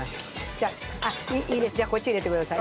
じゃあこっち入れてください。